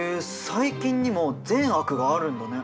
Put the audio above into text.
細菌にも善悪があるんだね。